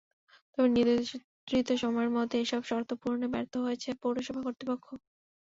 তবে নির্ধারিত সময়ের মধ্যে এসব শর্ত পূরণে ব্যর্থ হয়েছে পৌরসভা কর্তৃপক্ষ।